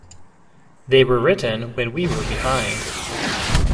They were written when we were behind.